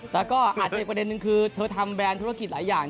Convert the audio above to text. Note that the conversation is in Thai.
แต่ก็อาจจะอีกประเด็นนึงคือเธอทำแบรนด์ธุรกิจหลายอย่าง